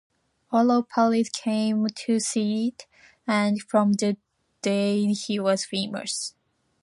All of Paris came to see it, and from that day he was famous.